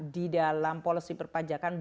di dalam policy perpajakan